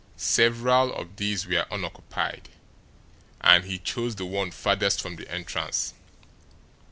Several of these were unoccupied, and he chose the one farthest from the entrance.